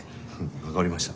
分かりました。